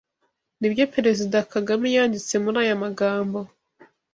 Ni byo Perezida Kagame yanditse muri aya magambo: